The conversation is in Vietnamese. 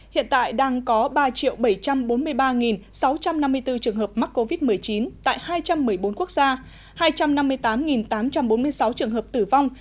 hiện tại đang có ba bảy trăm bốn mươi ba sáu trăm năm mươi bốn trường hợp mắc covid một mươi chín tại hai trăm một mươi bốn quốc gia hai trăm năm mươi tám tám trăm bốn mươi sáu trường hợp tử vong